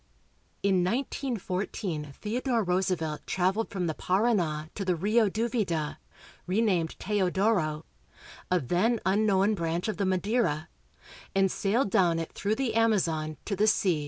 In 19 14 Theodore Roosevelt traveled from the Parana to the Rio Duvida (renamed Teodoro), a then unknown branch of the Madeira, and sailed down it through the Amazon to the sea.